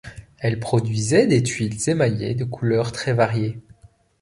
Elles produisaient des tuiles émaillées de couleurs très variées.